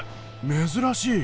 珍しい。